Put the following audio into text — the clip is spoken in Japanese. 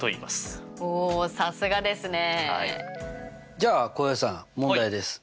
じゃあ浩平さん問題です。